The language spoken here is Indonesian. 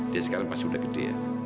dia sekarang pasti udah gede ya